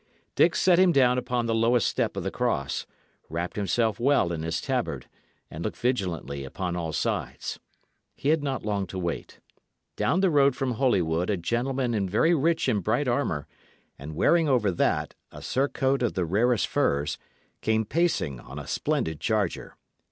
Dick set him down upon the lowest step of the cross, wrapped himself well in his tabard, and looked vigilantly upon all sides. He had not long to wait. Down the road from Holywood a gentleman in very rich and bright armour, and wearing over that a surcoat of the rarest furs, came pacing on a splendid charger.